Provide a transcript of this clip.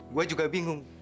gue juga bingung